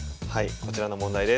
こちらの問題です。